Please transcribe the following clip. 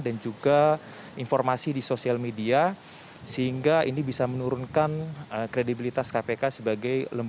dan juga informasi di sosial media sehingga ini bisa menurunkan kredibilitas kpk sebagai